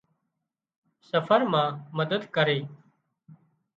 سفر مان مدد ڪري۔